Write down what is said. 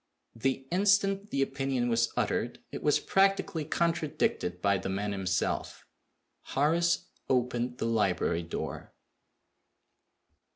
The instant the opinion was uttered, it was practically contradicted by the man himself. Horace opened the library door.